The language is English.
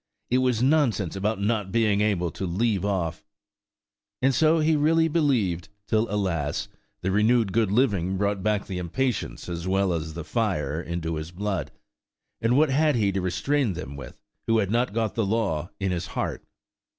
It was nonsense about not being able to leave off." And so he really believed, till, alas! the renewed good living brought back the impatience as well as fire into his blood, and what had he to restrain them with, who had not got the law in his heart?